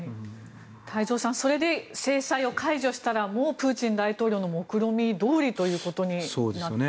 太蔵さんそれで制裁を解除したらもうプーチン大統領の目論見どおりということになってしまいますね。